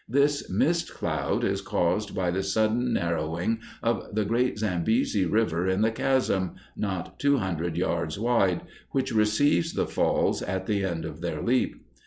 This mist cloud is caused by the sudden narrowing of the great Zambesi River in the Chasm, not two hundred yards wide, which receives the Falls at the end of their leap.